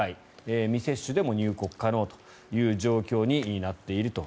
未接種でも入国可能という状況になっていると。